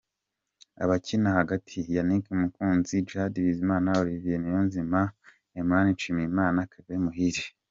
Abakina hagati: Yannick Mukunzi, Djihad Bizimana, Olivier Niyonzima, Amran Nshimiyimana na Kevin Muhire.